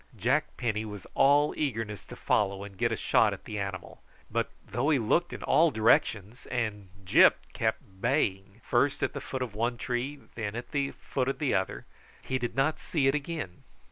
Jack Penny was all eagerness to follow and get a shot at the animal; but though he looked in all directions, and Gyp kept baying first at the foot of one tree then at the foot of another, he did not see it again.